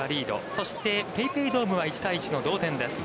そして、ＰａｙＰａｙドームは、１対１の同点です。